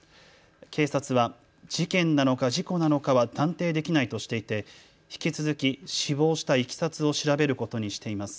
警察は事件なのか事故なのかは断定できないとしていて引き続き死亡したいきさつを調べることにしています。